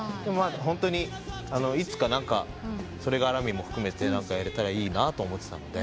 ホントにいつかそれがらみも含めて何かやれたらいいなと思ってたので。